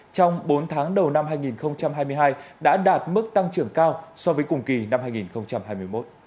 trong bốn tháng đầu năm hai nghìn hai mươi hai đã đạt mức tăng trưởng cao so với cùng kỳ năm hai nghìn hai mươi một